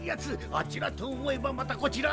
あちらとおもえばまたこちら。